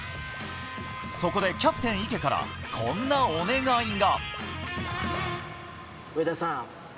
そこでキャプテン・池からこんなお願いが。